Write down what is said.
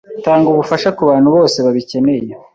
Tanga ubufasha kubantu bose babikeneye.